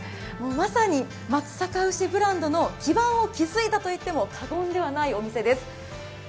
まさに松阪牛ブランドの基盤を築いたといっても過言ではないお店です。